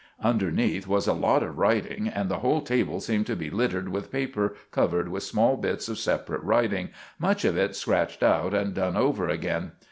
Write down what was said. Underneeth was a lot of writing, and the whole table seemed to be littered with paper covered with small bits of separate writing, much of it scratched out and done over again.